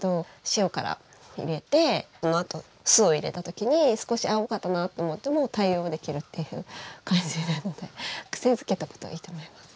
塩から入れてそのあと酢を入れたときに少しあぁ多かったなと思っても対応できるっていう感じなので癖づけとくといいと思います。